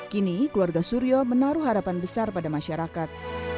kini keluarga suryo menaruh harapan besar pada masyarakat